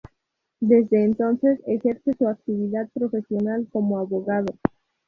Desde entonces, ejerce su actividad profesional como abogado.